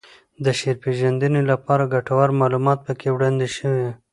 د شعر پېژندنې لپاره ګټور معلومات پکې وړاندې شوي